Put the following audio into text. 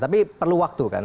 tapi perlu waktu kan